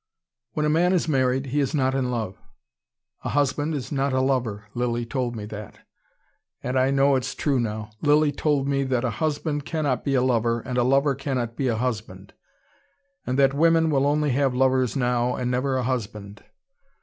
When a man is married, he is not in love. A husband is not a lover. Lilly told me that: and I know it's true now. Lilly told me that a husband cannot be a lover, and a lover cannot be a husband. And that women will only have lovers now, and never a husband.